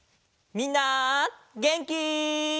みんなげんき？